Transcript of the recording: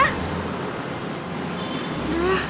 ayo kita pergi dari sini